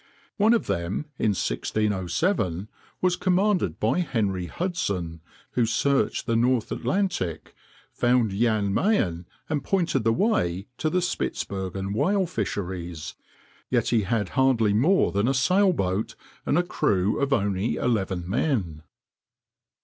One of them, in 1607, was commanded by Henry Hudson, who searched the North Atlantic, found Jan Mayen, and pointed the way to the Spitzbergen whale fisheries; yet he had hardly more than a sail boat, and a crew of only eleven men.